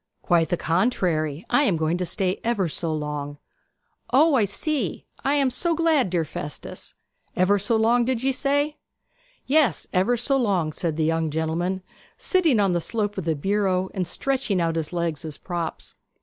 'Quite the contrary. I am going to stay ever so long!' 'O I see! I am so glad, dear Festus. Ever so long, did ye say?' 'Yes, ever so long,' said the young gentleman, sitting on the slope of the bureau and stretching out his legs as props.